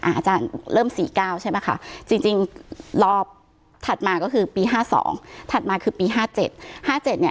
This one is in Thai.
อาจารย์เริ่ม๔๙ใช่ไหมคะจริงรอบถัดมาก็คือปี๕๒ถัดมาคือปี๕๗๕๗เนี่ย